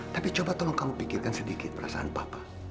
tapi coba tolong kamu pikirkan sedikit perasaan papa